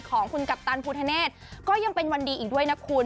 ของคุณกัปตันภูทะเนธก็ยังเป็นวันดีอีกด้วยนะคุณ